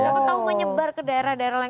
atau menyebar ke daerah daerah lain